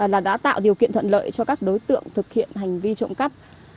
là đã tạo điều kiện thuận lợi cho các đối tượng thực hiện hành vi trộm cắp